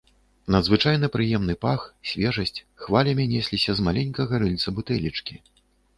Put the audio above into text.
Надзвычайна прыемны пах, свежасць хвалямі несліся з маленькага рыльца бутэлечкі.